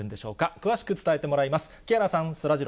詳しく伝えてもらいます。